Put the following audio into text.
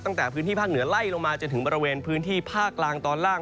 ตั้งแต่พื้นที่ภาคเหนือไล่ลงมาจนถึงบริเวณพื้นที่ภาคกลางตอนล่าง